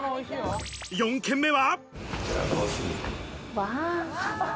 ４軒目は。